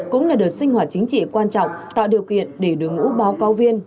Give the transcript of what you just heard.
cũng là đợt sinh hoạt chính trị quan trọng tạo điều kiện để đối ngũ báo cáo viên